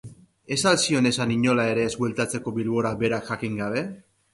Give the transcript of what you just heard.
Ez al zion esan inola ere ez bueltatzeko Bilbora berak jakin jabe?